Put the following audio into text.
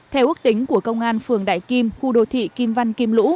theo ước tính của công an phường đại kim khu đô thị kim văn kim lũ